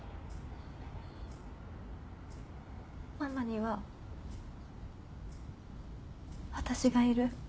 ママには私がいる。